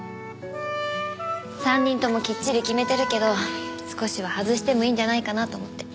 ３人ともきっちり決めてるけど少しは外してもいいんじゃないかなと思って。